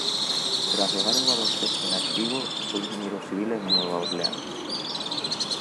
Tras dejar el baloncesto en activo, fue ingeniero civil en Nueva Orleans.